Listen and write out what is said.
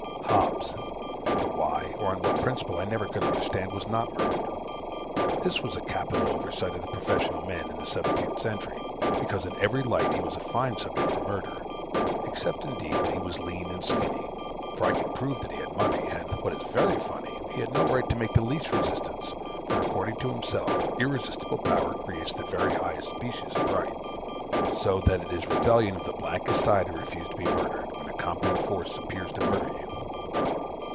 Hobbes, but why, or on what principle, I never could understand, was not murdered. This was a capital oversight of the professional men in the seventeenth century; because in every light he was a fine subject for murder, except, indeed, that he was lean and skinny; for I can prove that he had money, and (what is very funny,) he had no right to make the least resistance; for, according to himself, irresistible power creates the very highest species of right, so that it is rebellion of the blackest die to refuse to be murdered, when a competent force appears to murder you.